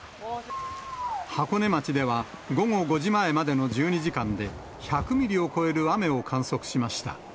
箱根町では午後５時前までの１２時間で、１００ミリを超える雨を観測しました。